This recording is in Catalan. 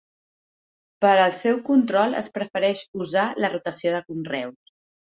Per al seu control es prefereix usar la rotació de conreus.